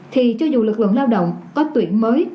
thì cho dù lực lượng lao động có tuyển mới